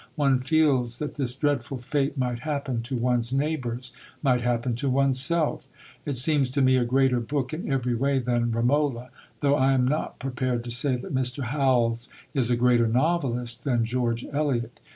One feels that this dreadful fate might happen to one's neighbours might happen to oneself. It seems to me a greater book in every way than Romola, though I am not prepared to say that Mr. Howells is a greater novelist than George Eliot.